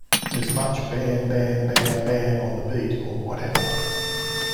As much 'bam-bam-bam-bam' on the beat or whatever.